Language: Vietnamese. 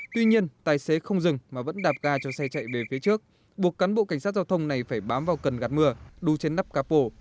tuy nhiên tài xế không dừng mà vẫn đạp ga cho xe chạy về phía trước buộc cán bộ cảnh sát giao thông này phải bám vào cần gạt mưa đu trên nắp capo